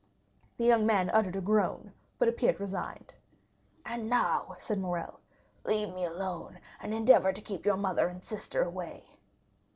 '" The young man uttered a groan, but appeared resigned. "And now," said Morrel, "leave me alone, and endeavor to keep your mother and sister away."